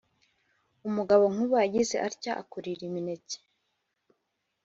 umugabo nkuba yagize atya akurira imineke